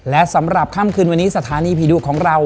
และสำหรับค่ำคืนวันนี้สถานีผีดุของเรา